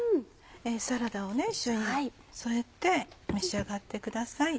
サラダを一緒に添えて召し上がってください。